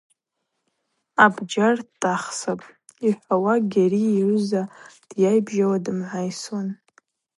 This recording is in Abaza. Абджьар тӏахсапӏ,–йхӏвауа Гьари йыгӏвза дйайбжьауа дымгӏвайсуан.